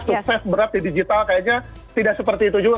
sukses berat di digital kayaknya tidak seperti itu juga